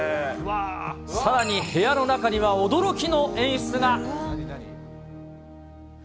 さらに、部屋の中には驚きの演出が。